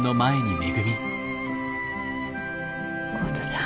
浩太さん